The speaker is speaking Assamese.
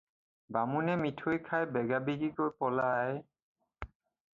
বামুণে মিঠৈ খাই বেগাবেগিকৈ পলাই